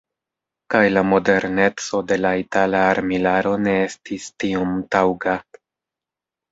Kaj la moderneco de la itala armilaro ne estis tiom taŭga.